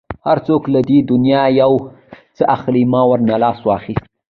هر څوک له دې دنیا یو څه اخلي، ما ورنه لاس واخیست.